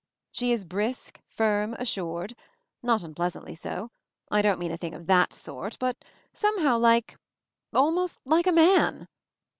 She is brisk, firm, assured — not unpleas antly so; I don't mean a thing of that sort; but somehow like — almost like a man